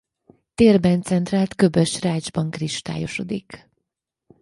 Térben centrált köbös rácsban kristályosodik.